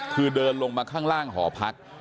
คือเดินลงมาข้างล่างหอพัก